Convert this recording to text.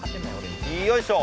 よいしょ！